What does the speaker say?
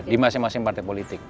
di masing masing partai politik